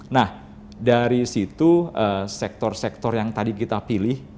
nah dari situ sektor sektor yang tadi kita pilih